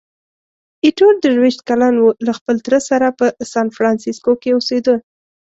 ایټور درویشت کلن وو، له خپل تره سره په سانفرانسیسکو کې اوسېده.